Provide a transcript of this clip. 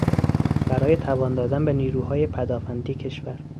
برای توان دادن به نیروهای پدآفندی کشور